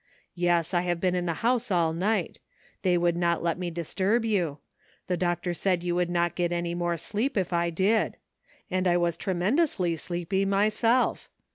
"Yes, I have been in the house all night ; they would not let me disturb you. The doctor said you would not get any more sleep if I did ; and I was tremendously sleepy myself.